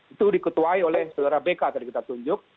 itu diketuai oleh saudara bk tadi kita tunjuk